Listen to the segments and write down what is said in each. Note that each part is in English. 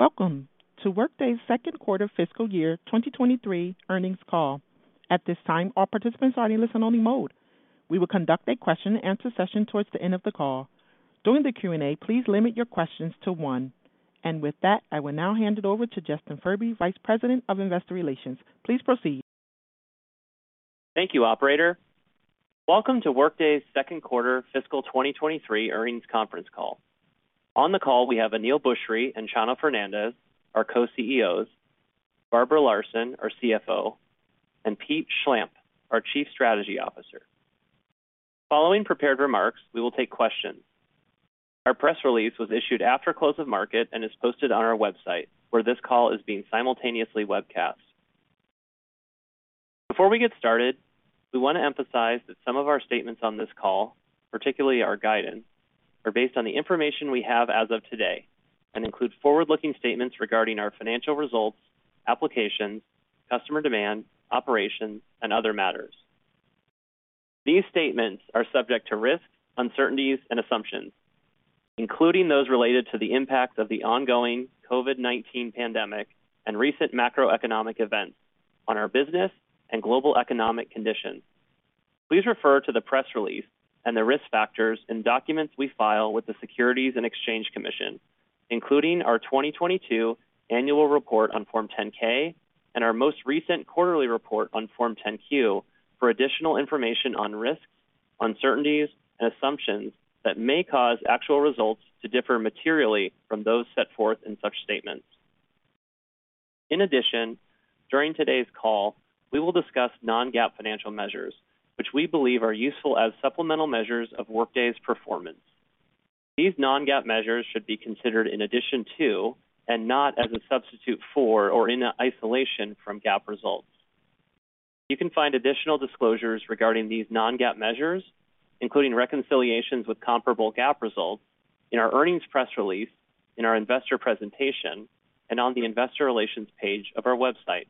Welcome to Workday's second quarter fiscal year 2023 earnings call. At this time, all participants are in listen-only mode. We will conduct a question-and-answer session towards the end of the call. During the Q&A, please limit your questions to one. With that, I will now hand it over to Justin Furby, Vice President of Investor Relations. Please proceed. Thank you, operator. Welcome to Workday's second quarter fiscal 2023 earnings conference call. On the call, we have Aneel Bhusri and Chano Fernandez, our co-CEOs, Barbara Larson, our CFO, and Pete Schlampp, our Chief Strategy Officer. Following prepared remarks, we will take questions. Our press release was issued after close of market and is posted on our website, where this call is being simultaneously webcast. Before we get started, we want to emphasize that some of our statements on this call, particularly our guidance, are based on the information we have as of today and include forward-looking statements regarding our financial results, applications, customer demand, operations, and other matters. These statements are subject to risks, uncertainties, and assumptions, including those related to the impact of the ongoing COVID-19 pandemic and recent macroeconomic events on our business and global economic conditions. Please refer to the press release and the risk factors in documents we file with the Securities and Exchange Commission, including our 2022 annual report on Form 10-K and our most recent quarterly report on Form 10-Q for additional information on risks, uncertainties, and assumptions that may cause actual results to differ materially from those set forth in such statements. In addition, during today's call, we will discuss non-GAAP financial measures, which we believe are useful as supplemental measures of Workday's performance. These non-GAAP measures should be considered in addition to and not as a substitute for or in isolation from GAAP results. You can find additional disclosures regarding these non-GAAP measures, including reconciliations with comparable GAAP results in our earnings press release, in our investor presentation, and on the investor relations page of our website.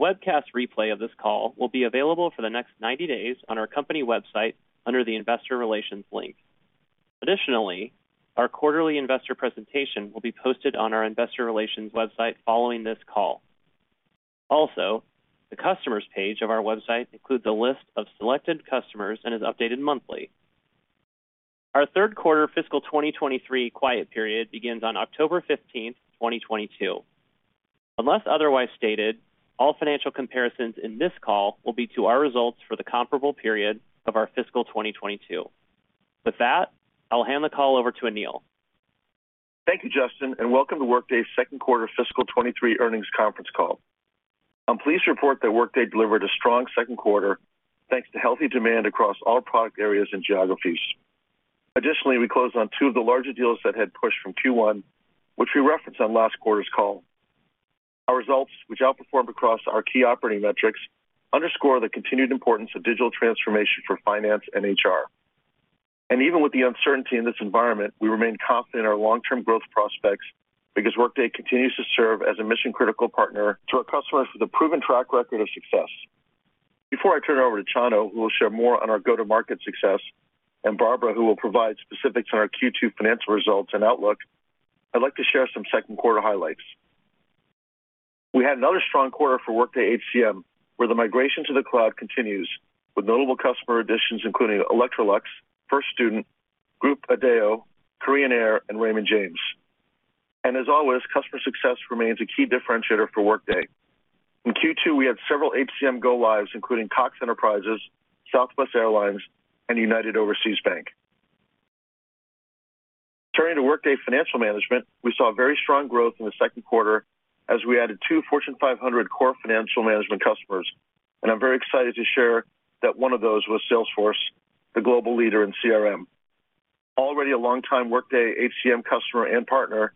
The webcast replay of this call will be available for the next 90 days on our company website under the investor relations link. Additionally, our quarterly investor presentation will be posted on our investor relations website following this call. Also, the customers page of our website includes a list of selected customers and is updated monthly. Our third quarter fiscal 2023 quiet period begins on October 15th, 2022. Unless otherwise stated, all financial comparisons in this call will be to our results for the comparable period of our fiscal 2022. With that, I'll hand the call over to Aneel. Thank you, Justin, and welcome to Workday's second quarter fiscal 2023 earnings conference call. I'm pleased to report that Workday delivered a strong second quarter thanks to healthy demand across all product areas and geographies. Additionally, we closed on two of the larger deals that had pushed from Q1, which we referenced on last quarter's call. Our results, which outperformed across our key operating metrics, underscore the continued importance of digital transformation for finance and HR. Even with the uncertainty in this environment, we remain confident in our long-term growth prospects because Workday continues to serve as a mission-critical partner to our customers with a proven track record of success. Before I turn it over to Chano, who will share more on our go-to-market success, and Barbara, who will provide specifics on our Q2 financial results and outlook, I'd like to share some second quarter highlights. We had another strong quarter for Workday HCM, where the migration to the cloud continues with notable customer additions, including Electrolux, First Student, The Adecco Group, Korean Air, and Raymond James. As always, customer success remains a key differentiator for Workday. In Q2, we had several HCM go-lives, including Cox Enterprises, Southwest Airlines, and United Overseas Bank. Turning to Workday Financial Management, we saw very strong growth in the second quarter as we added two Fortune 500 core financial management customers. I'm very excited to share that one of those was Salesforce, the global leader in CRM. Already a long-time Workday HCM customer and partner,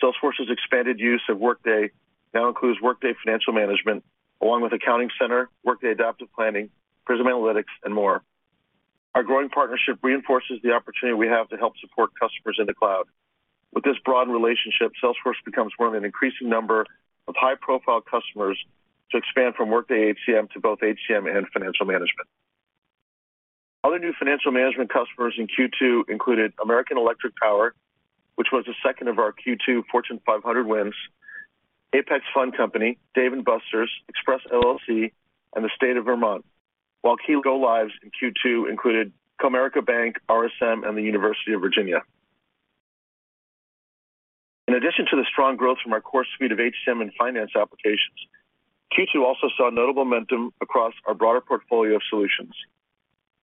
Salesforce's expanded use of Workday now includes Workday Financial Management, along with Accounting Center, Workday Adaptive Planning, Prism Analytics, and more. Our growing partnership reinforces the opportunity we have to help support customers in the cloud. With this broad relationship, Salesforce becomes one of an increasing number of high-profile customers to expand from Workday HCM to both HCM and Financial Management. Other new financial management customers in Q2 included American Electric Power, which was the second of our Q2 Fortune 500 wins, Apex Group, Dave & Buster's, Express LLC, and the State of Vermont. While key go-lives in Q2 included Comerica Bank, RSM, and the University of Virginia. In addition to the strong growth from our core suite of HCM and finance applications, Q2 also saw notable momentum across our broader portfolio of solutions.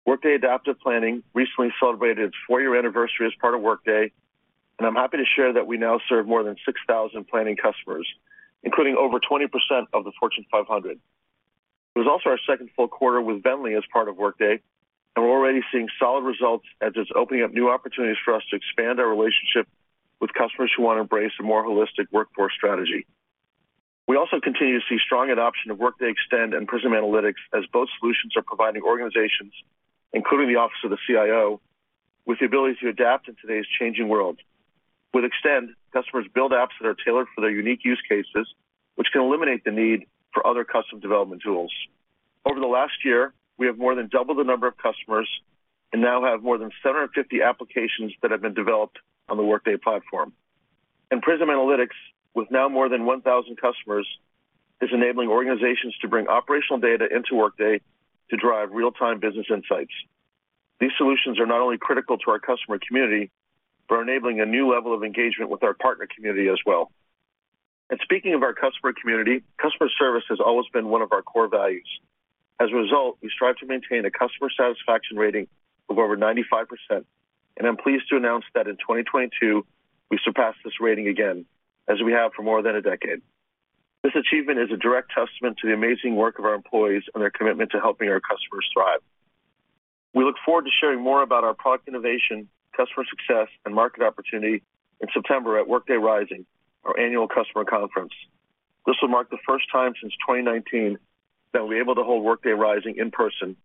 Workday Adaptive Planning recently celebrated its four-year anniversary as part of Workday, and I'm happy to share that we now serve more than 6,000 planning customers, including over 20% of the Fortune 500. It was also our second full quarter with VNDLY as part of Workday, and we're already seeing solid results as it's opening up new opportunities for us to expand our relationship with customers who want to embrace a more holistic workforce strategy. We also continue to see strong adoption of Workday Extend and Prism Analytics as both solutions are providing organizations, including the Office of the CIO, with the ability to adapt in today's changing world. With Extend, customers build apps that are tailored for their unique use cases, which can eliminate the need for other custom development tools. Over the last year, we have more than doubled the number of customers and now have more than 750 applications that have been developed on the Workday platform. Prism Analytics, with now more than 1,000 customers, is enabling organizations to bring operational data into Workday to drive real-time business insights. These solutions are not only critical to our customer community, but are enabling a new level of engagement with our partner community as well. Speaking of our customer community, customer service has always been one of our core values. As a result, we strive to maintain a customer satisfaction rating of over 95%, and I'm pleased to announce that in 2022 we surpassed this rating again, as we have for more than a decade. This achievement is a direct testament to the amazing work of our employees and their commitment to helping our customers thrive. We look forward to sharing more about our product innovation, customer success, and market opportunity in September at Workday Rising, our annual customer conference. This will mark the first time since 2019 that we're able to hold Workday Rising in person,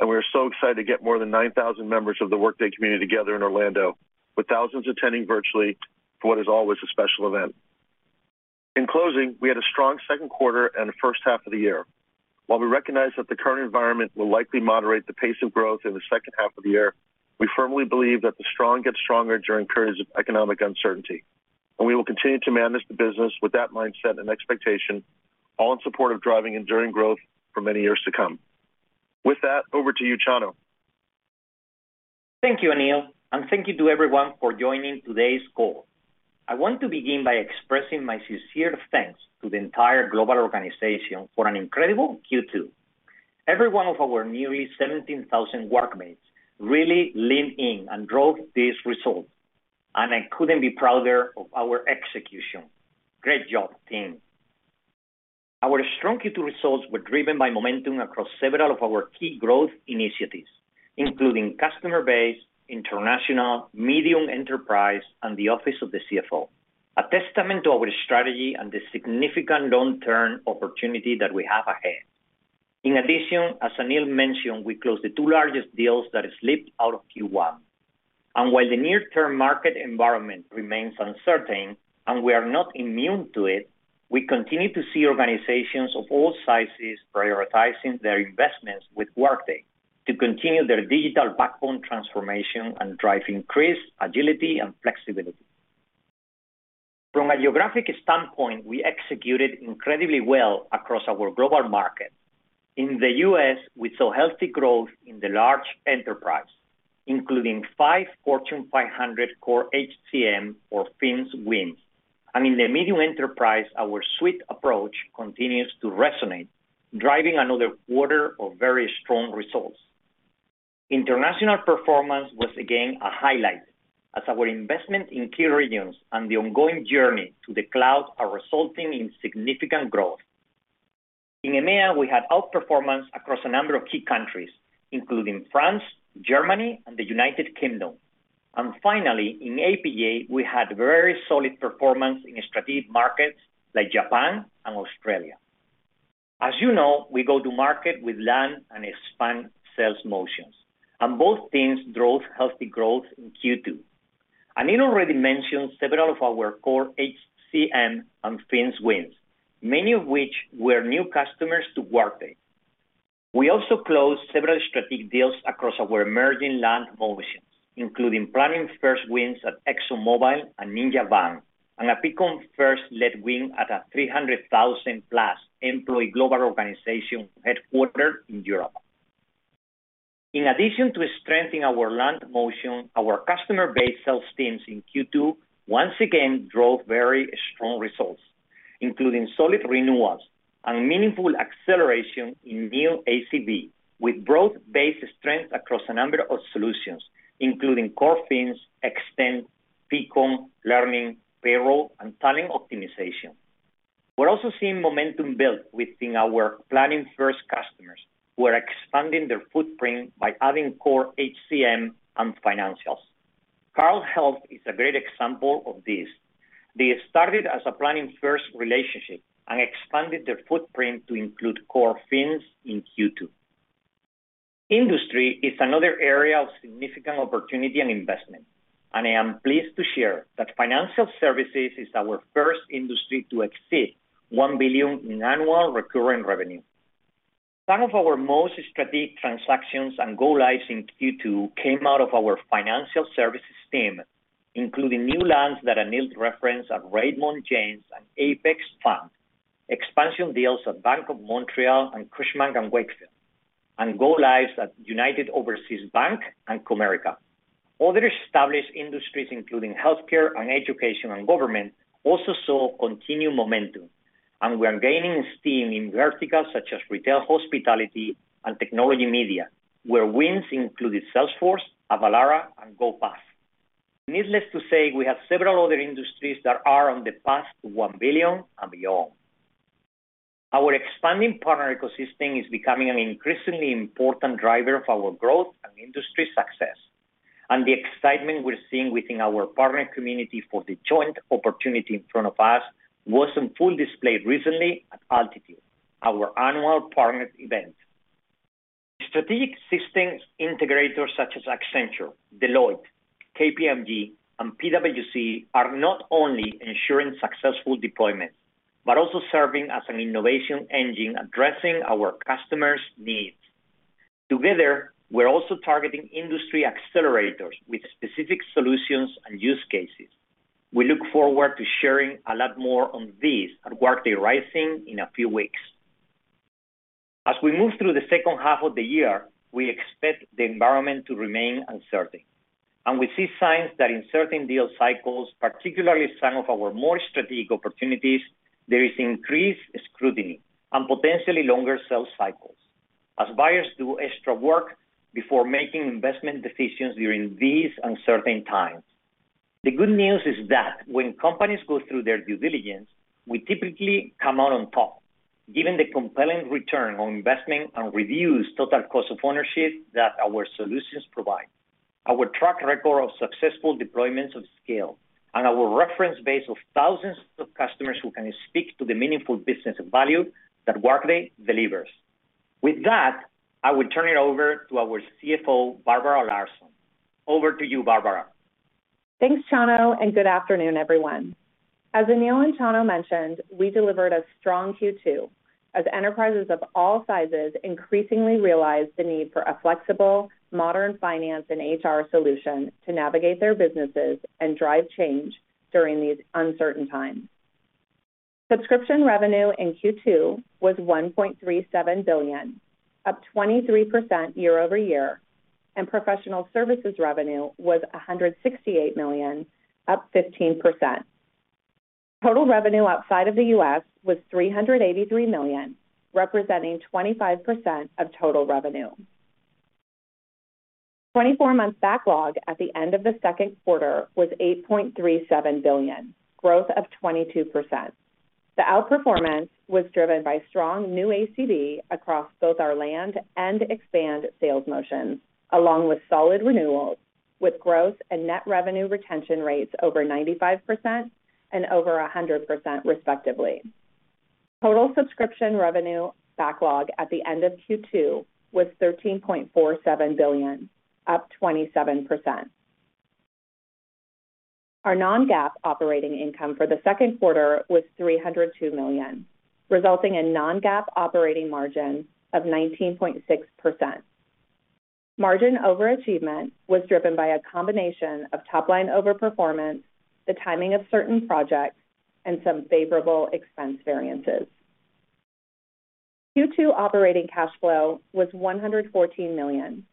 and we are so excited to get more than 9,000 members of the Workday community together in Orlando, with thousands attending virtually for what is always a special event. In closing, we had a strong second quarter and first half of the year. While we recognize that the current environment will likely moderate the pace of growth in the second half of the year, we firmly believe that the strong get stronger during periods of economic uncertainty. We will continue to manage the business with that mindset and expectation, all in support of driving enduring growth for many years to come. With that, over to you, Chano. Thank you, Aneel, and thank you to everyone for joining today's call. I want to begin by expressing my sincere thanks to the entire global organization for an incredible Q2. Every one of our nearly 17,000 Workmates really leaned in and drove these results, and I couldn't be prouder of our execution. Great job, team. Our strong Q2 results were driven by momentum across several of our key growth initiatives, including customer base, international, medium enterprise, and the office of the CFO, a testament to our strategy and the significant long-term opportunity that we have ahead. In addition, as Aneel mentioned, we closed the two largest deals that slipped out of Q1. While the near term market environment remains uncertain and we are not immune to it, we continue to see organizations of all sizes prioritizing their investments with Workday to continue their digital backbone transformation and drive increased agility and flexibility. From a geographic standpoint, we executed incredibly well across our global market. In the U.S., we saw healthy growth in the large enterprise, including five Fortune 500 core HCM or Fins wins. In the medium enterprise, our suite approach continues to resonate, driving another quarter of very strong results. International performance was again a highlight as our investment in key regions and the ongoing journey to the cloud are resulting in significant growth. In EMEA, we had outperformance across a number of key countries, including France, Germany, and the United Kingdom. Finally, in APJ, we had very solid performance in strategic markets like Japan and Australia. As you know, we go to market with land and expand sales motions, and both teams drove healthy growth in Q2. Aneel already mentioned several of our core HCM and Fins wins, many of which were new customers to Workday. We also closed several strategic deals across our emerging land motions, including Planning First wins at ExxonMobil and Ninja Van, and a Peakon First led win at a 300,000+ employee global organization headquartered in Europe. In addition to strengthening our land motion, our customer base sales teams in Q2 once again drove very strong results, including solid renewals and meaningful acceleration in new ACV, with broad-based strength across a number of solutions, including core Fins, Extend, Peakon, learning, payroll, and talent optimization. We're also seeing momentum build within our Planning First customers who are expanding their footprint by adding core HCM and financials. Carle Health is a great example of this. They started as a Planning First relationship and expanded their footprint to include core Fins in Q2. Industry is another area of significant opportunity and investment, and I am pleased to share that financial services is our first industry to exceed $1 billion in annual recurring revenue. Some of our most strategic transactions and go lives in Q2 came out of our financial services team, including new lands that Aneel referenced at Raymond James and Apex Group, expansion deals at Bank of Montreal and Cushman & Wakefield, and go lives at United Overseas Bank and Comerica. Other established industries, including healthcare and education and government, also saw continued momentum, and we are gaining steam in verticals such as retail, hospitality, and technology media, where wins included Salesforce, Avalara, and GoPuff. Needless to say, we have several other industries that are on the path to one billion and beyond. Our expanding partner ecosystem is becoming an increasingly important driver of our growth and industry success. The excitement we're seeing within our partner community for the joint opportunity in front of us was on full display recently at Altitude, our annual partner event. Strategic systems integrators such as Accenture, Deloitte, KPMG, and PwC are not only ensuring successful deployments, but also serving as an innovation engine addressing our customers' needs. Together, we're also targeting industry accelerators with specific solutions and use cases. We look forward to sharing a lot more on these at Workday Rising in a few weeks. As we move through the second half of the year, we expect the environment to remain uncertain, and we see signs that in certain deal cycles, particularly some of our more strategic opportunities, there is increased scrutiny and potentially longer sales cycles as buyers do extra work before making investment decisions during these uncertain times. The good news is that when companies go through their due diligence, we typically come out on top, given the compelling return on investment and reduced total cost of ownership that our solutions provide, our track record of successful deployments of scale, and our reference base of thousands of customers who can speak to the meaningful business value that Workday delivers. With that, I will turn it over to our CFO, Barbara Larson. Over to you, Barbara. Thanks, Chano, and good afternoon, everyone. As Aneel and Chano mentioned, we delivered a strong Q2 as enterprises of all sizes increasingly realize the need for a flexible, modern finance and HR solution to navigate their businesses and drive change during these uncertain times. Subscription revenue in Q2 was $1.37 billion, up 23% year-over-year, and professional services revenue was $168 million, up 15%. Total revenue outside of the U.S. was $383 million, representing 25% of total revenue. 24-month backlog at the end of the second quarter was $8.37 billion, growth of 22%. The outperformance was driven by strong new ACV across both our land and expand sales motions, along with solid renewals, with growth and net revenue retention rates over 95% and over 100% respectively. Total subscription revenue backlog at the end of Q2 was $13.47 billion, up 27%. Our non-GAAP operating income for the second quarter was $302 million, resulting in non-GAAP operating margin of 19.6%. Margin overachievement was driven by a combination of top-line overperformance, the timing of certain projects, and some favorable expense variances. Q2 operating cash flow was $114 million,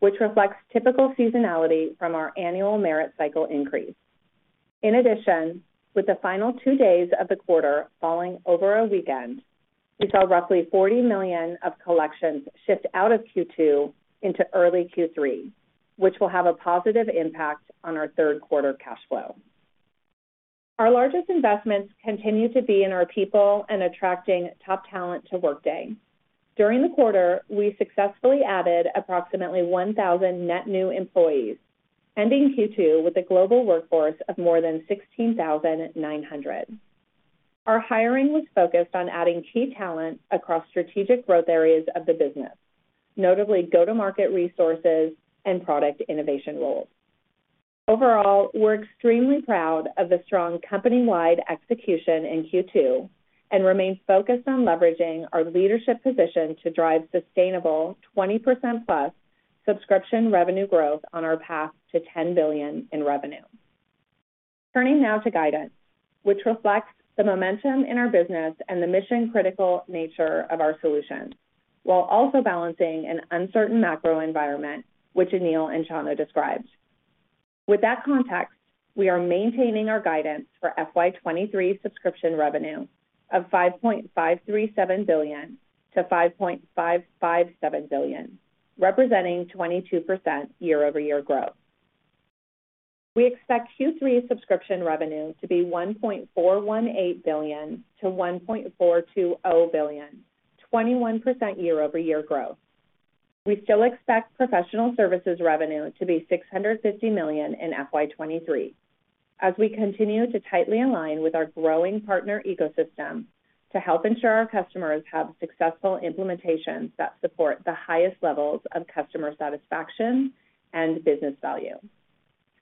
which reflects typical seasonality from our annual merit cycle increase. In addition, with the final 2 days of the quarter falling over a weekend, we saw roughly $40 million of collections shift out of Q2 into early Q3, which will have a positive impact on our third quarter cash flow. Our largest investments continue to be in our people and attracting top talent to Workday. During the quarter, we successfully added approximately 1,000 net new employees, ending Q2 with a global workforce of more than 16,900. Our hiring was focused on adding key talent across strategic growth areas of the business, notably go-to-market resources and product innovation roles. Overall, we're extremely proud of the strong company-wide execution in Q2 and remain focused on leveraging our leadership position to drive sustainable 20%+ subscription revenue growth on our path to $10 billion in revenue. Turning now to guidance, which reflects the momentum in our business and the mission-critical nature of our solutions, while also balancing an uncertain macro environment, which Aneel and Chano described. With that context, we are maintaining our guidance for FY 2023 subscription revenue of $5.537 billion-$5.557 billion, representing 22% year-over-year growth. We expect Q3 subscription revenue to be $1.418 billion-$1.420 billion, 21% year-over-year growth. We still expect professional services revenue to be $650 million in FY 2023 as we continue to tightly align with our growing partner ecosystem to help ensure our customers have successful implementations that support the highest levels of customer satisfaction and business value.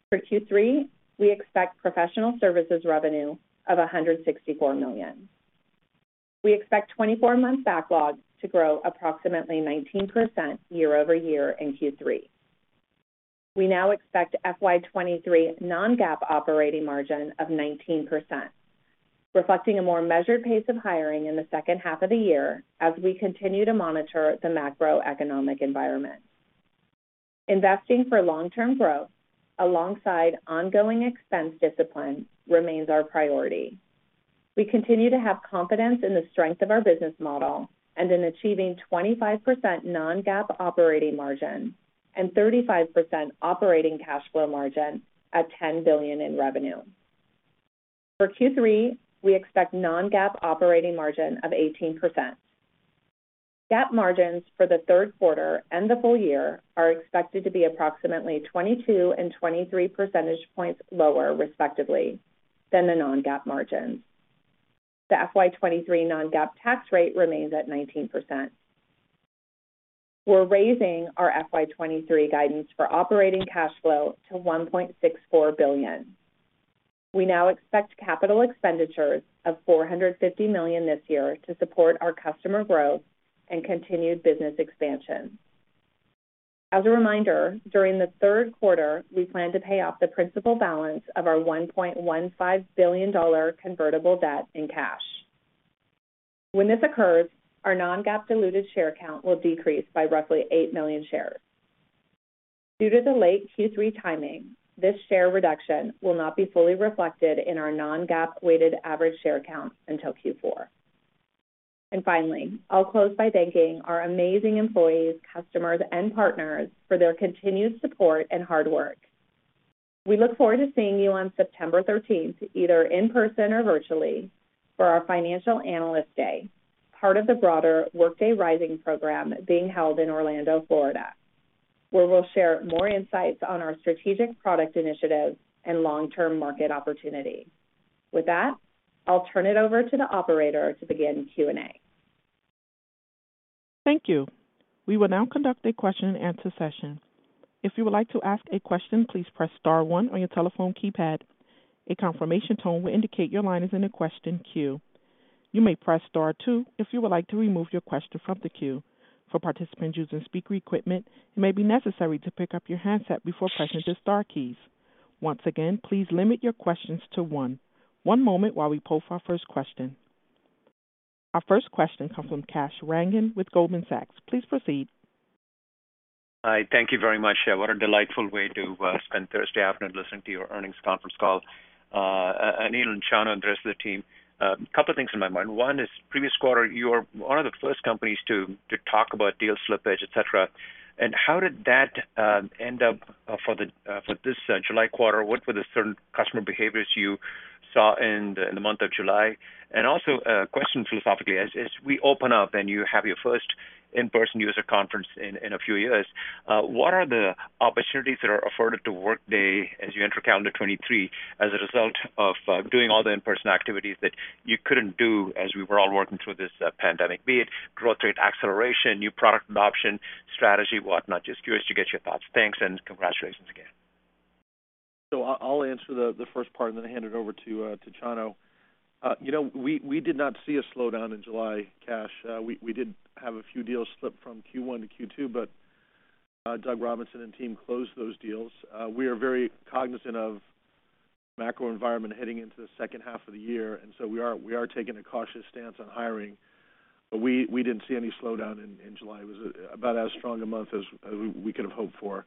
For Q3, we expect professional services revenue of $164 million. We expect 24-month backlogs to grow approximately 19% year-over-year in Q3. We now expect FY 2023 non-GAAP operating margin of 19%, reflecting a more measured pace of hiring in the second half of the year as we continue to monitor the macroeconomic environment. Investing for long-term growth alongside ongoing expense discipline remains our priority. We continue to have confidence in the strength of our business model and in achieving 25% non-GAAP operating margin and 35% operating cash flow margin at $10 billion in revenue. For Q3, we expect non-GAAP operating margin of 18%. GAAP margins for the third quarter and the full year are expected to be approximately 22 and 23 percentage points lower, respectively, than the non-GAAP margins. The FY 2023 non-GAAP tax rate remains at 19%. We're raising our FY 2023 guidance for operating cash flow to $1.64 billion. We now expect capital expenditures of $450 million this year to support our customer growth and continued business expansion. As a reminder, during the third quarter, we plan to pay off the principal balance of our $1.15 billion convertible debt in cash. When this occurs, our non-GAAP diluted share count will decrease by roughly 8 million shares. Due to the late Q3 timing, this share reduction will not be fully reflected in our non-GAAP weighted average share count until Q4. Finally, I'll close by thanking our amazing employees, customers, and partners for their continued support and hard work. We look forward to seeing you on September thirteenth, either in person or virtually for our Financial Analyst Day, part of the broader Workday Rising program being held in Orlando, Florida, where we'll share more insights on our strategic product initiatives and long-term market opportunities. With that, I'll turn it over to the operator to begin Q&A. Thank you. We will now conduct a question and answer session. If you would like to ask a question, please press star one on your telephone keypad. A confirmation tone will indicate your line is in a question queue. You may press star two if you would like to remove your question from the queue. For participants using speaker equipment, it may be necessary to pick up your handset before pressing the star keys. Once again, please limit your questions to one. One moment while we poll for our first question. Our first question comes from Kash Rangan with Goldman Sachs. Please proceed. Hi. Thank you very much. What a delightful way to spend Thursday afternoon listening to your earnings conference call. Aneel and Chano and the rest of the team, couple things on my mind. One is previous quarter, you were one of the first companies to talk about deal slippage, et cetera. How did that end up for this July quarter? What were the certain customer behaviors you saw in the month of July? Also a question philosophically, as we open up and you have your first in-person user conference in a few years, what are the opportunities that are afforded to Workday as you enter calendar 2023 as a result of doing all the in-person activities that you couldn't do as we were all working through this pandemic? Be it growth rate acceleration, new product adoption strategy, whatnot. Just curious to get your thoughts. Thanks, and congratulations again. I'll answer the first part and then hand it over to Chano. You know, we did not see a slowdown in July, Kash. We did have a few deals slip from Q1 to Q2, but Doug Robinson and team closed those deals. We are very cognizant of macro environment heading into the second half of the year, and so we are taking a cautious stance on hiring. We didn't see any slowdown in July. It was about as strong a month as we could have hoped for.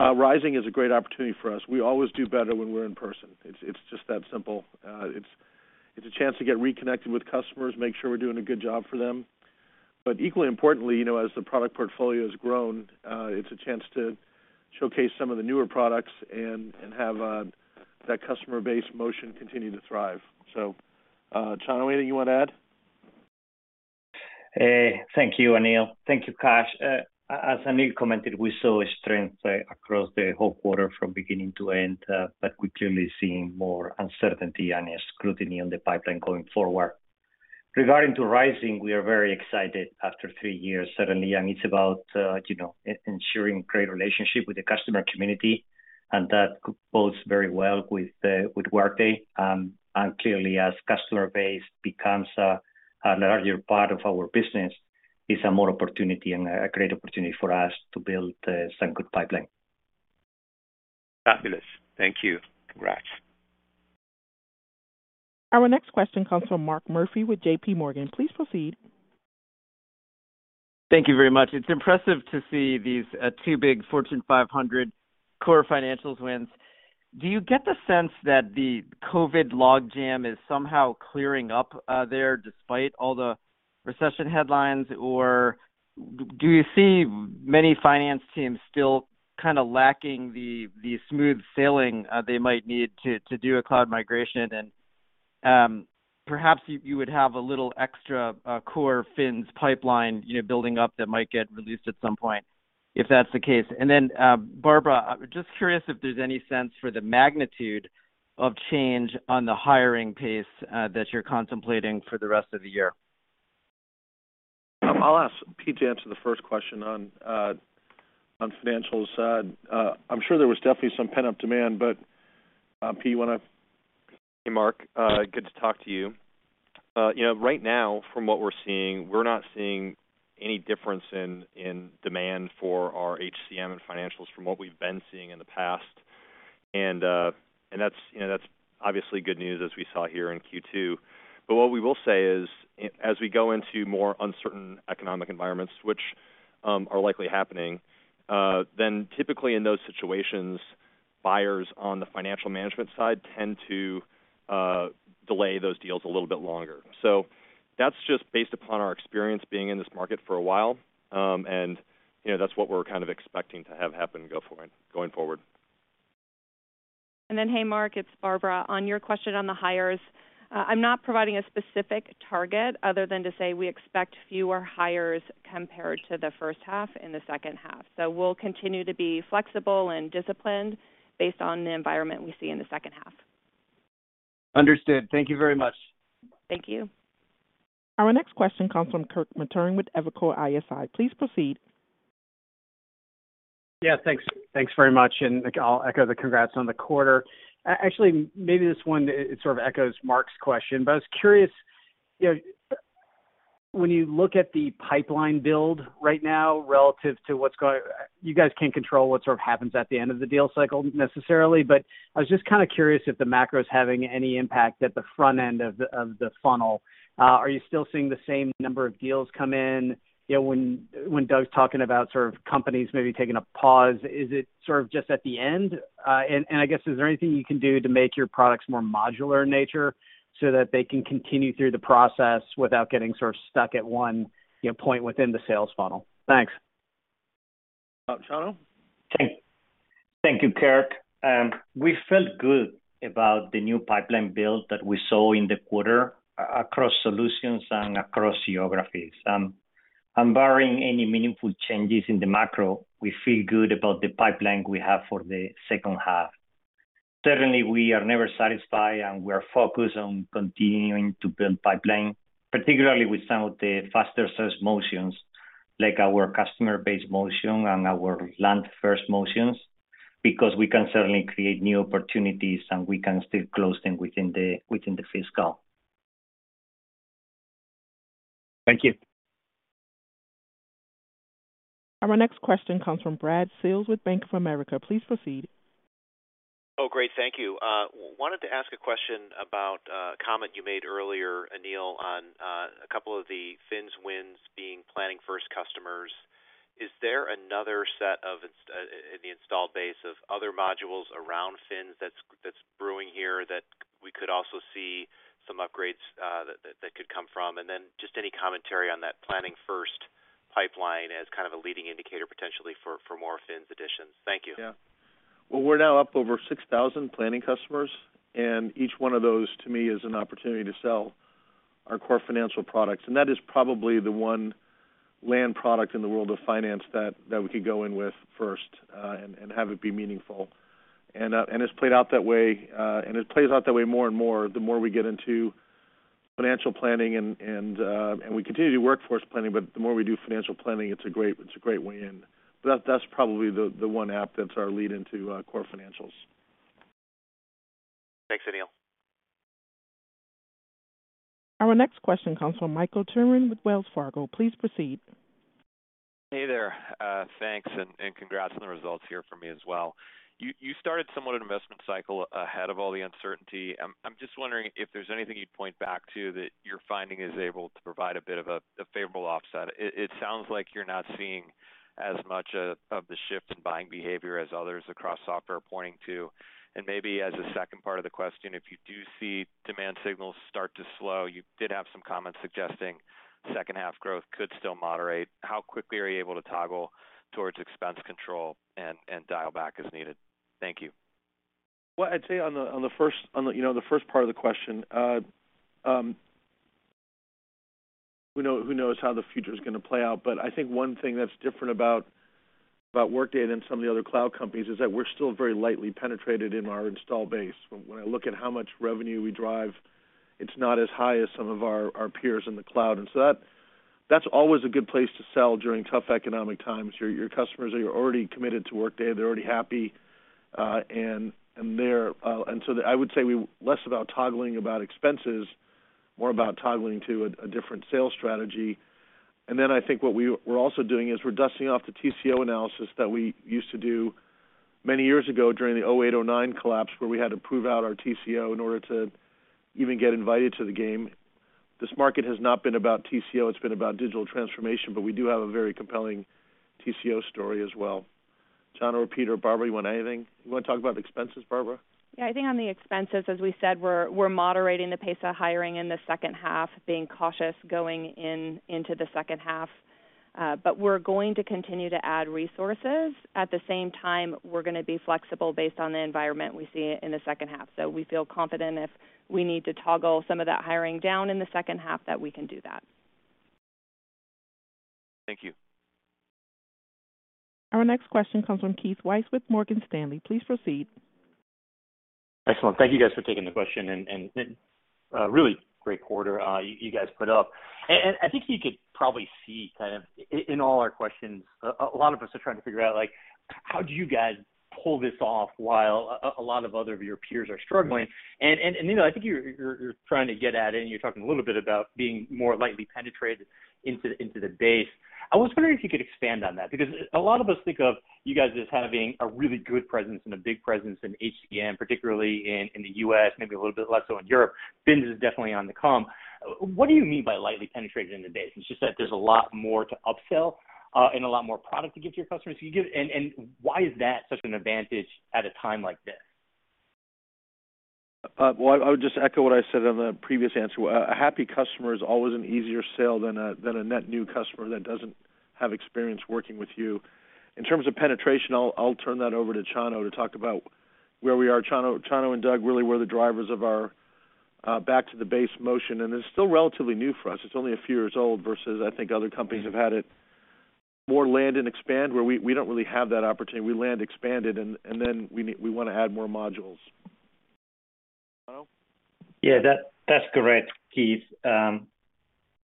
Rising is a great opportunity for us. We always do better when we're in person. It's just that simple. It's a chance to get reconnected with customers, make sure we're doing a good job for them. Equally importantly, you know, as the product portfolio has grown, it's a chance to showcase some of the newer products and have that customer base motion continue to thrive. So, Chano, anything you want to add? Thank you, Aneel. Thank you, Kash. As Aneel commented, we saw strength across the whole quarter from beginning to end, but we're clearly seeing more uncertainty and scrutiny on the pipeline going forward. Regarding Rising, we are very excited after three years, certainly, and it's about, you know, ensuring great relationship with the customer community, and that bodes very well with Workday. Clearly, as customer base becomes a larger part of our business, it's a more opportunity and a great opportunity for us to build some good pipeline. Fabulous. Thank you. Congrats. Our next question comes from Mark Murphy with JP Morgan. Please proceed. Thank you very much. It's impressive to see these two big Fortune 500 core Fins wins. Do you get the sense that the COVID logjam is somehow clearing up there, despite all the recession headlines? Or do you see many finance teams still kinda lacking the smooth sailing they might need to do a cloud migration? Perhaps you would have a little extra core Fins pipeline, you know, building up that might get released at some point if that's the case. Barbara, just curious if there's any sense for the magnitude of change on the hiring pace that you're contemplating for the rest of the year. I'll ask Pete to answer the first question on financials side. I'm sure there was definitely some pent-up demand, but Pete, wanna... Hey, Mark. Good to talk to you. You know, right now from what we're seeing, we're not seeing any difference in demand for our HCM and financials from what we've been seeing in the past. That's, you know, that's obviously good news as we saw here in Q2. What we will say is as we go into more uncertain economic environments, which are likely happening, then typically in those situations, buyers on the financial management side tend to delay those deals a little bit longer. That's just based upon our experience being in this market for a while. You know, that's what we're kind of expecting to have happen going forward. Hey, Mark, it's Barbara. On your question on the hires, I'm not providing a specific target other than to say we expect fewer hires compared to the first half and the second half. We'll continue to be flexible and disciplined based on the environment we see in the second half. Understood. Thank you very much. Thank you. Our next question comes from Kirk Materne with Evercore ISI. Please proceed. Yeah, thanks. Thanks very much, and I'll echo the congrats on the quarter. Actually, maybe this one, it sort of echoes Mark's question, but I was curious, you know, when you look at the pipeline build right now relative to what's going. You guys can't control what sort of happens at the end of the deal cycle necessarily, but I was just kind of curious if the macro is having any impact at the front end of the funnel. Are you still seeing the same number of deals come in? You know, when Doug's talking about sort of companies maybe taking a pause, is it sort of just at the end? I guess, is there anything you can do to make your products more modular in nature so that they can continue through the process without getting sort of stuck at one, you know, point within the sales funnel? Thanks. Chano? Thank you, Kirk. We felt good about the new pipeline build that we saw in the quarter across solutions and across geographies. Barring any meaningful changes in the macro, we feel good about the pipeline we have for the second half. Certainly, we are never satisfied, and we are focused on continuing to build pipeline, particularly with some of the faster sales motions, like our customer-based motion and our land-first motions, because we can certainly create new opportunities, and we can still close them within the fiscal. Thank you. Our next question comes from Brad Sills with Bank of America. Please proceed. Oh, great. Thank you. Wanted to ask a question about a comment you made earlier, Aneel, on a couple of the Fins wins being Planning First customers. Is there another set of Fins in the installed base of other modules around Fins that's brewing here that we could also see some upgrades that could come from? Just any commentary on that Planning First pipeline as kind of a leading indicator potentially for more Fins additions. Thank you. Well, we're now up over 6,000 Planning customers, and each one of those to me is an opportunity to sell our core financial products. That is probably the one land product in the world of finance that we could go in with first and have it be meaningful. It's played out that way and it plays out that way more and more, the more we get into financial planning and we continue to do workforce planning, but the more we do financial planning, it's a great way in. That's probably the one app that's our lead into core financials. Thanks, Aneel. Our next question comes from Michael Turrin with Wells Fargo. Please proceed. Hey there. Thanks and congrats on the results here from me as well. You started somewhat an investment cycle ahead of all the uncertainty. I'm just wondering if there's anything you'd point back to that you're finding is able to provide a bit of a favorable offset. It sounds like you're not seeing as much of the shift in buying behavior as others across software are pointing to. Maybe as a second part of the question, if you do see demand signals start to slow, you did have some comments suggesting second half growth could still moderate. How quickly are you able to toggle towards expense control and dial back as needed? Thank you. Well, I'd say on the first part of the question, you know, who knows how the future is gonna play out? But I think one thing that's different about Workday than some of the other cloud companies is that we're still very lightly penetrated in our installed base. When I look at how much revenue we drive, it's not as high as some of our peers in the cloud. And so that's always a good place to sell during tough economic times. Your customers are already committed to Workday, they're already happy, and they're. And so I would say it's less about toggling expenses, more about toggling to a different sales strategy. I think what we're also doing is we're dusting off the TCO analysis that we used to do many years ago during the 2008, 2009 collapse, where we had to prove out our TCO in order to even get invited to the game. This market has not been about TCO, it's been about digital transformation, but we do have a very compelling TCO story as well. Chano or Pete, Barbara, you want anything? You want to talk about expenses, Barbara? Yeah. I think on the expenses, as we said, we're moderating the pace of hiring in the second half, being cautious going in, into the second half. But we're going to continue to add resources. At the same time, we're gonna be flexible based on the environment we see in the second half. We feel confident if we need to toggle some of that hiring down in the second half, that we can do that. Thank you. Our next question comes from Keith Weiss with Morgan Stanley. Please proceed. Excellent. Thank you guys for taking the question and really great quarter you guys put up. I think you could probably see in all our questions, a lot of us are trying to figure out, like, how do you guys pull this off while a lot of other of your peers are struggling? You know, I think you're trying to get at it, and you're talking a little bit about being more lightly penetrated into the base. I was wondering if you could expand on that, because a lot of us think of you guys as having a really good presence and a big presence in HCM, particularly in the U.S., maybe a little bit less so in Europe. Fins is definitely on the come. What do you mean by lightly penetrated in the base? It's just that there's a lot more to upsell, and a lot more product to give to your customers. Why is that such an advantage at a time like this? Well, I would just echo what I said on the previous answer. A happy customer is always an easier sale than a net new customer that doesn't have experience working with you. In terms of penetration, I'll turn that over to Chano to talk about where we are. Chano and Doug really were the drivers of our back to the base motion, and it's still relatively new for us. It's only a few years old versus I think other companies have had it more land and expand where we don't really have that opportunity. We land and expand, and then we wanna add more modules. Chano? Yeah, that's correct, Keith.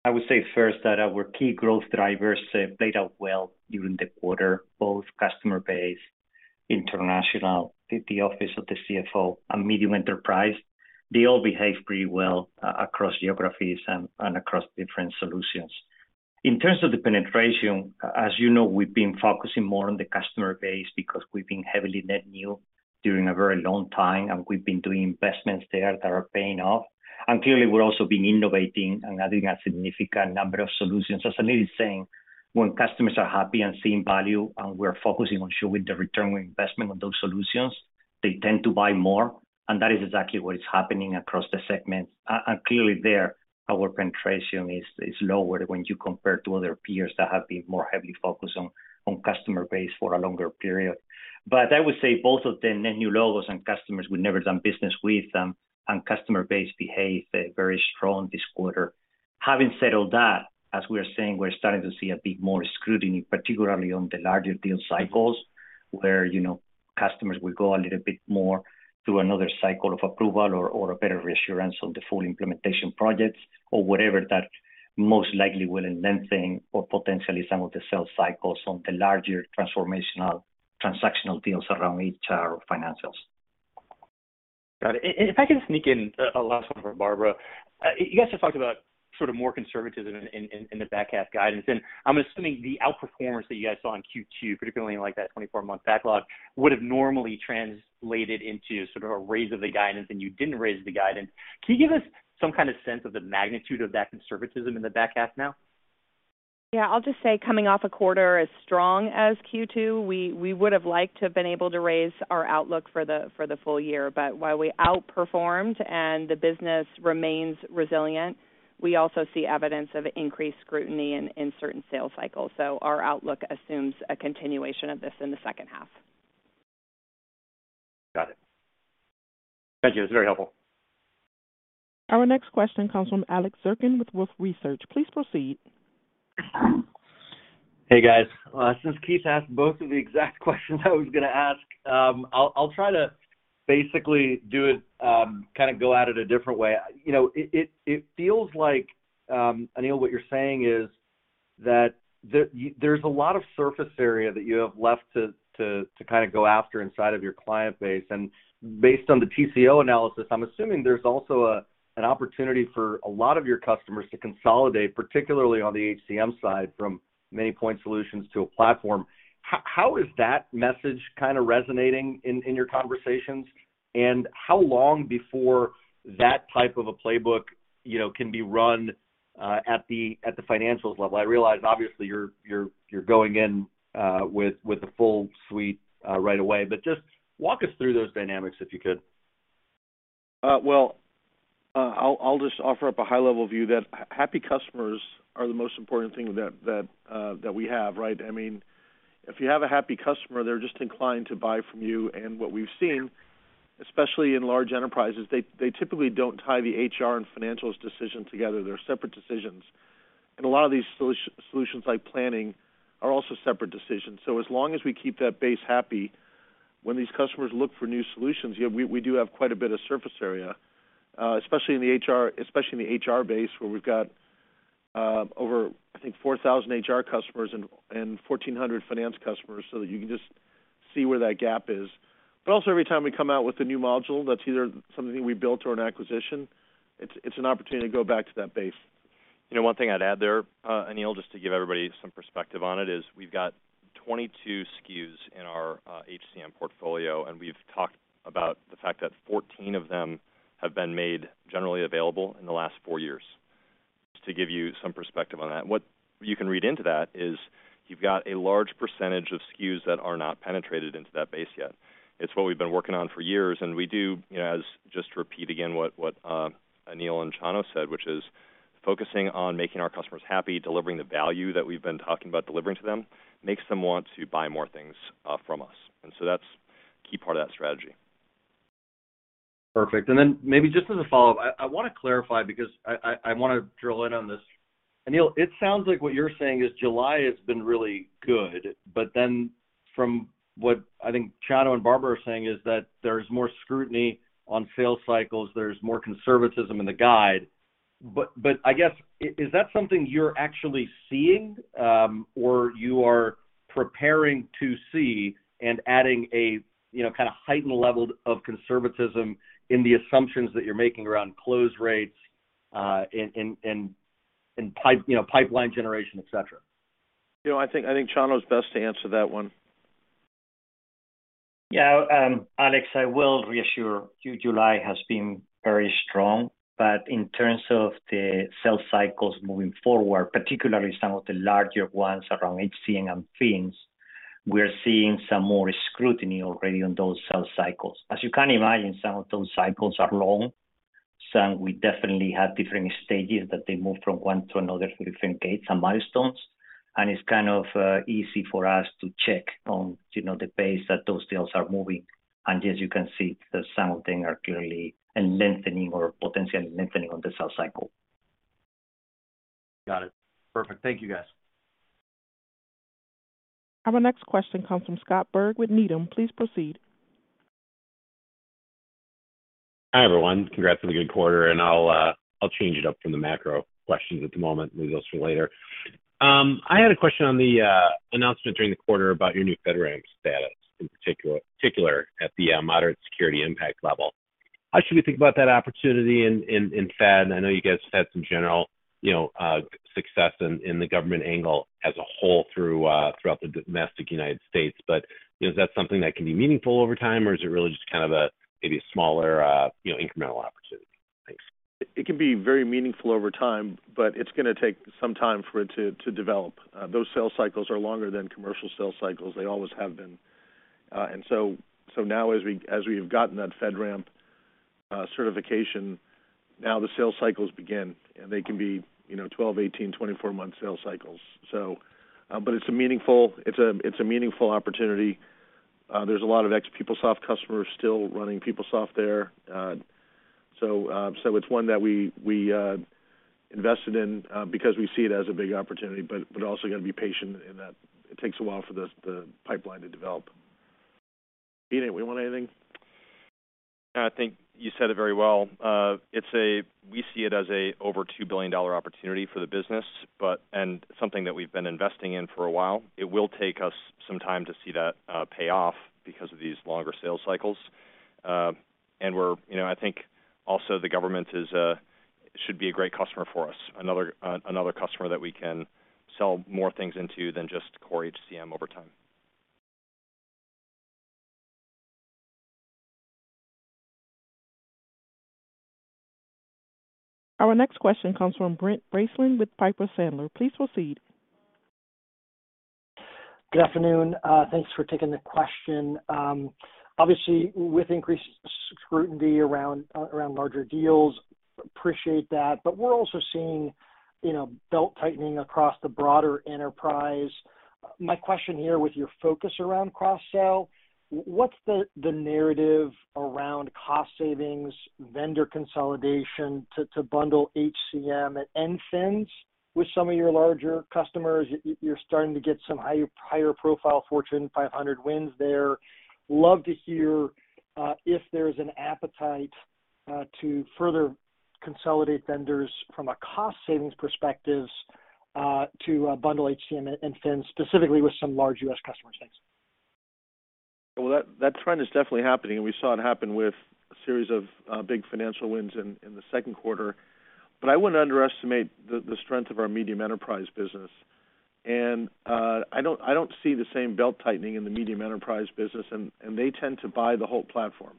I would say first that our key growth drivers have played out well during the quarter, both customer base, international, the office of the CFO and medium enterprise. They all behave pretty well across geographies and across different solutions. In terms of the penetration, as you know, we've been focusing more on the customer base because we've been heavily net new during a very long time, and we've been doing investments there that are paying off. Clearly, we're also been innovating and adding a significant number of solutions. As Aneel is saying, when customers are happy and seeing value, and we're focusing on showing the return on investment on those solutions, they tend to buy more, and that is exactly what is happening across the segments. Clearly there, our penetration is lower when you compare to other peers that have been more heavily focused on customer base for a longer period. I would say both of the net new logos and customers we've never done business with and customer base behaved very strong this quarter. Having said all that, as we are saying, we're starting to see a bit more scrutiny, particularly on the larger deal cycles, where, you know, customers will go a little bit more through another cycle of approval or a better reassurance on the full implementation projects or whatever that most likely will lengthen or potentially some of the sales cycles on the larger transformational transactional deals around HR or financials. Got it. If I could just sneak in a last one for Barbara. You guys just talked about sort of more conservatism in the back half guidance, and I'm assuming the outperformance that you guys saw in Q2, particularly like that 24-month backlog, would have normally translated into sort of a raise of the guidance and you didn't raise the guidance. Can you give us some kind of sense of the magnitude of that conservatism in the back half now? Yeah. I'll just say coming off a quarter as strong as Q2, we would have liked to have been able to raise our outlook for the full year. While we outperformed and the business remains resilient, we also see evidence of increased scrutiny in certain sales cycles. Our outlook assumes a continuation of this in the second half. Got it. Thank you. That's very helpful. Our next question comes from Alex Zukin with Wolfe Research. Please proceed. Hey, guys. Since Keith asked both of the exact questions I was gonna ask, I'll try to basically do it, kinda go at it a different way. You know, it feels like, Aneel, what you're saying is that there's a lot of surface area that you have left to kinda go after inside of your client base. Based on the TCO analysis, I'm assuming there's also an opportunity for a lot of your customers to consolidate, particularly on the HCM side, from many point solutions to a platform. How is that message kinda resonating in your conversations? How long before that type of a playbook, you know, can be run at the financials level? I realize obviously you're going in with the full suite right away, but just walk us through those dynamics, if you could. Well, I'll just offer up a high level view that happy customers are the most important thing that we have, right? I mean, if you have a happy customer, they're just inclined to buy from you. What we've seen, especially in large enterprises, they typically don't tie the HR and financials decision together. They're separate decisions. A lot of these solutions like planning are also separate decisions. As long as we keep that base happy, when these customers look for new solutions, you know, we do have quite a bit of surface area, especially in the HR, especially in the HR base, where we've got over, I think 4,000 HR customers and 1,400 finance customers, so that you can just see where that gap is. also every time we come out with a new module that's either something we built or an acquisition, it's an opportunity to go back to that base. You know, one thing I'd add there, Aneel, just to give everybody some perspective on it, is we've got 22 SKUs in our HCM portfolio, and we've talked about the fact that 14 of them have been made generally available in the last four years. Just to give you some perspective on that. What you can read into that is you've got a large percentage of SKUs that are not penetrated into that base yet. It's what we've been working on for years, and we do, you know, as just to repeat again what Aneel and Chano said, which is focusing on making our customers happy, delivering the value that we've been talking about delivering to them, makes them want to buy more things from us. That's key part of that strategy. Perfect. Then maybe just as a follow-up, I wanna clarify because I wanna drill in on this. Aneel, it sounds like what you're saying is July has been really good, but then from what I think Chano and Barbara are saying is that there's more scrutiny on sales cycles, there's more conservatism in the guide. I guess, is that something you're actually seeing, or you are preparing to see and adding a, you know, kinda heightened level of conservatism in the assumptions that you're making around close rates, in pipe, you know, pipeline generation, et cetera? You know, I think Chano is best to answer that one. Yeah, Alex, I will reassure you July has been very strong. In terms of the sales cycles moving forward, particularly some of the larger ones around HCM and Fin, we're seeing some more scrutiny already on those sales cycles. As you can imagine, some of those cycles are long. Some, we definitely have different stages that they move from one to another through different gates and milestones, and it's kind of easy for us to check on the pace that those deals are moving. As you can see, the same things are clearly lengthening or potentially lengthening on the sales cycle. Got it. Perfect. Thank you, guys. Our next question comes from Scott Berg with Needham. Please proceed. Hi, everyone. Congrats on a good quarter. I'll change it up from the macro questions at the moment. Leave those for later. I had a question on the announcement during the quarter about your new FedRAMP status, in particular at the moderate security impact level. How should we think about that opportunity in Fed? I know you guys have had some general, you know, success in the government angle as a whole through throughout the domestic United States. But is that something that can be meaningful over time, or is it really just kind of a maybe smaller, you know, incremental opportunity? Thanks. It can be very meaningful over time, but it's gonna take some time for it to develop. Those sales cycles are longer than commercial sales cycles. They always have been. Now as we've gotten that FedRAMP certification, now the sales cycles begin, and they can be, you know, 12-month, 18-month, 24-month sales cycles. But it's a meaningful opportunity. There's a lot of ex PeopleSoft customers still running PeopleSoft there. It's one that we invested in because we see it as a big opportunity, but also gonna be patient in that it takes a while for the pipeline to develop. Pete, we want anything? I think you said it very well. We see it as an over $2 billion opportunity for the business, but and something that we've been investing in for a while. It will take us some time to see that pay off because of these longer sales cycles. We're, you know, I think also the government should be a great customer for us. Another customer that we can sell more things into than just core HCM over time. Our next question comes from Brent Bracelin with Piper Sandler. Please proceed. Good afternoon. Thanks for taking the question. Obviously, with increased scrutiny around larger deals, appreciate that. We're also seeing, you know, belt-tightening across the broader enterprise. My question here, with your focus around cross-sell, what's the narrative around cost savings, vendor consolidation to bundle HCM and Fins with some of your larger customers? You're starting to get some higher profile Fortune 500 wins there. Love to hear if there's an appetite to further consolidate vendors from a cost savings perspective, to bundle HCM and Fins, specifically with some large U.S. customers. Thanks. Well, that trend is definitely happening, and we saw it happen with a series of big financial wins in the second quarter. I wouldn't underestimate the strength of our medium enterprise business. I don't see the same belt-tightening in the medium enterprise business, and they tend to buy the whole platform.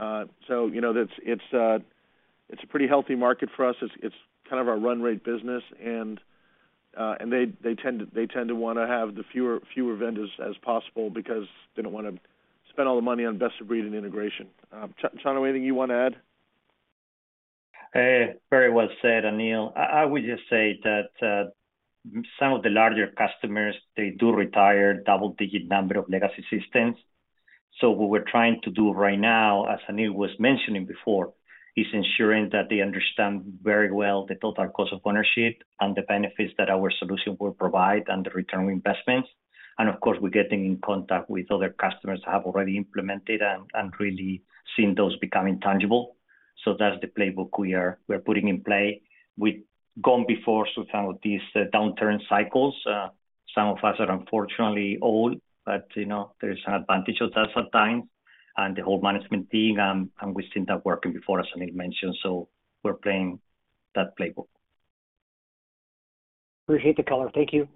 You know, that's it's a pretty healthy market for us. It's kind of our run rate business, and they tend to wanna have the fewer vendors as possible because they don't wanna spend all the money on best of breed and integration. Chano, anything you wanna add? Very well said, Aneel. I would just say that some of the larger customers, they do retire double-digit number of legacy systems. What we're trying to do right now, as Aneel was mentioning before, is ensuring that they understand very well the total cost of ownership and the benefits that our solution will provide and the return on investments. Of course, we're getting in contact with other customers that have already implemented and really seen those become tangible. That's the playbook we are putting in play. We've gone before some of these downturn cycles. Some of us are unfortunately old, but you know, there's an advantage of that at times and the whole management team and we've seen that working before, as Aneel mentioned. We're playing that playbook. Appreciate the color. Thank you.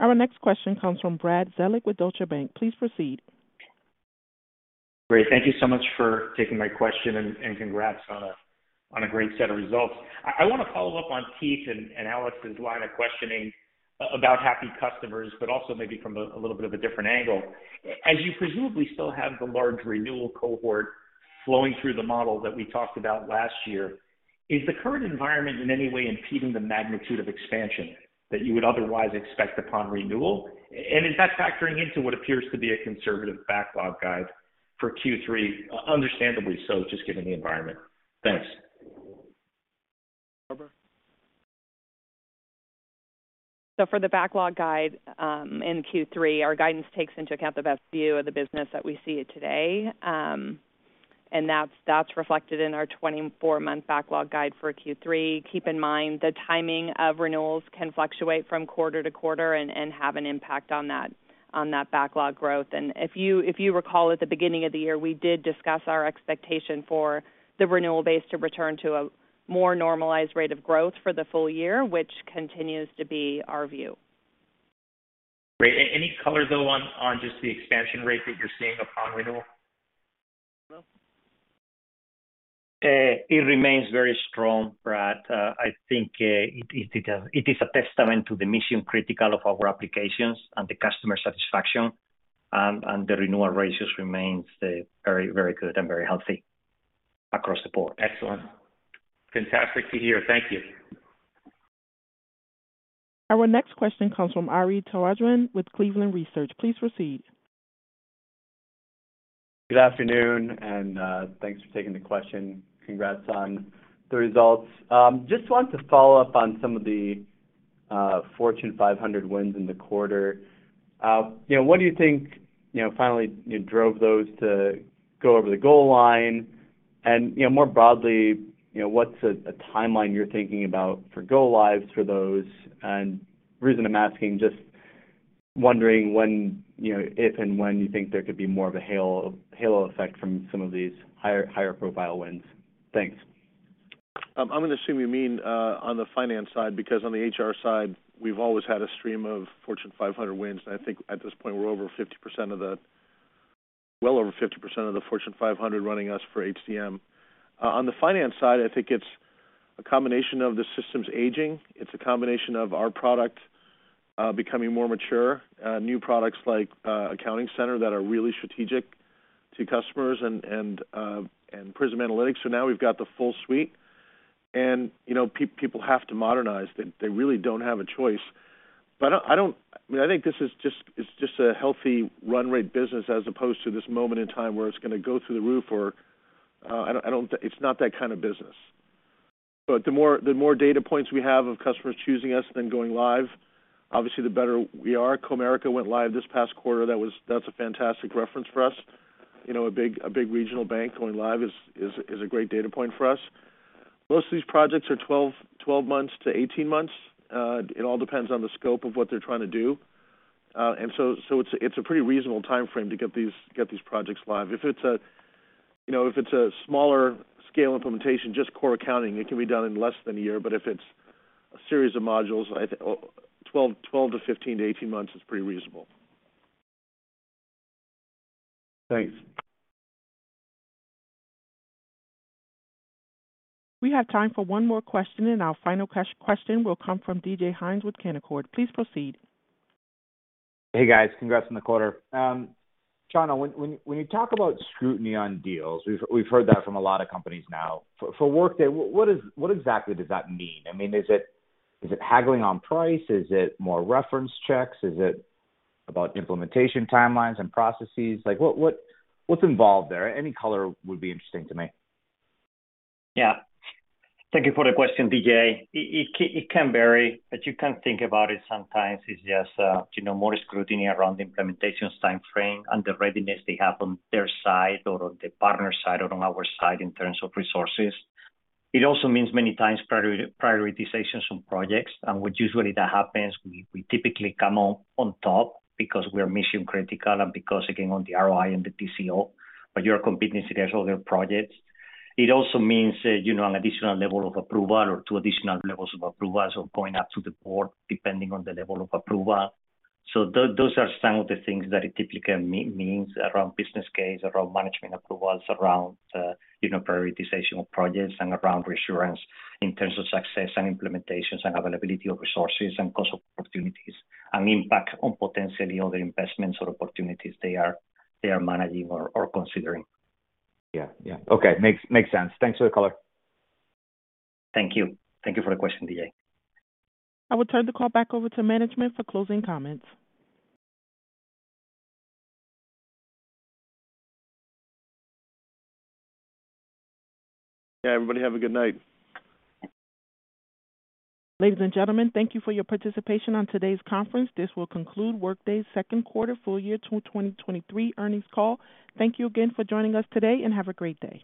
Our next question comes from Brad Zelnick with Deutsche Bank. Please proceed. Great. Thank you so much for taking my question, and congrats on a great set of results. I wanna follow up on Keith and Alex's line of questioning about happy customers, but also maybe from a little bit of a different angle. As you presumably still have the large renewal cohort flowing through the model that we talked about last year, is the current environment in any way impeding the magnitude of expansion that you would otherwise expect upon renewal? And is that factoring into what appears to be a conservative backlog guide for Q3? Understandably so, just given the environment. Thanks. Barbara? For the backlog guide, in Q3, our guidance takes into account the best view of the business that we see today. That's reflected in our 24-month backlog guide for Q3. Keep in mind the timing of renewals can fluctuate from quarter to quarter and have an impact on that backlog growth. If you recall at the beginning of the year, we did discuss our expectation for the renewal base to return to a more normalized rate of growth for the full year, which continues to be our view. Great. Any color though on just the expansion rate that you're seeing upon renewal? Aneel? It remains very strong, Brad. I think it is a testament to the mission critical of our applications and the customer satisfaction, and the renewal ratios remains very, very good and very healthy across the board. Excellent. Fantastic to hear. Thank you. Our next question comes from Ari Terjanian with Cleveland Research. Please proceed. Good afternoon, and thanks for taking the question. Congrats on the results. Just want to follow up on some of the Fortune 500 wins in the quarter. You know, what do you think, you know, finally drove those to go over the goal line? You know, more broadly, you know, what's a timeline you're thinking about for go lives for those? The reason I'm asking, just wondering when, you know, if and when you think there could be more of a halo effect from some of these higher profile wins. Thanks. I'm gonna assume you mean on the finance side, because on the HR side we've always had a stream of Fortune 500 wins. I think at this point we're well over 50% of the Fortune 500 running us for HCM. On the finance side, I think it's a combination of the systems aging. It's a combination of our product becoming more mature. New products like Accounting Center that are really strategic to customers and Prism Analytics. Now we've got the full suite. You know, people have to modernize. They really don't have a choice. I don't. I mean, I think this is just, it's just a healthy run rate business as opposed to this moment in time where it's gonna go through the roof or I don't. It's not that kind of business. The more data points we have of customers choosing us than going live, obviously, the better we are. Comerica went live this past quarter. That's a fantastic reference for us. You know, a big regional bank going live is a great data point for us. Most of these projects are 12 months-18 months. It all depends on the scope of what they're trying to do. It's a pretty reasonable timeframe to get these projects live. If it's a smaller scale implementation, just core accounting, it can be done in less than a year. If it's a series of modules, I think 12 months to 15 months to 18 months is pretty reasonable. Thanks. We have time for one more question, and our final question will come from D.J. Hynes with Canaccord. Please proceed. Hey, guys. Congrats on the quarter. Chano, when you talk about scrutiny on deals, we've heard that from a lot of companies now. For Workday, what exactly does that mean? I mean, is it haggling on price? Is it more reference checks? Is it about implementation timelines and processes? Like, what's involved there? Any color would be interesting to me. Yeah. Thank you for the question, D.J. It can vary, but you can think about it sometimes it's just, you know, more scrutiny around the implementation timeframe and the readiness they have on their side or on the partner side or on our side in terms of resources. It also means many times prioritizations on projects and which usually that happens, we typically come on top because we are mission-critical and because again on the ROI and the TCO, but you're competing against other projects. It also means, you know, an additional level of approval or two additional levels of approval, so going up to the board depending on the level of approval. Those are some of the things that it typically means around business case, around management approvals, around, you know, prioritization of projects and around reassurance in terms of success and implementations and availability of resources and cost of opportunities and impact on potentially other investments or opportunities they are managing or considering. Yeah. Yeah. Okay. Makes sense. Thanks for the color. Thank you. Thank you for the question, D.J. I will turn the call back over to management for closing comments. Yeah, everybody have a good night. Ladies and gentlemen, thank you for your participation on today's conference. This will conclude Workday's second quarter fiscal year 2023 earnings call. Thank you again for joining us today and have a great day.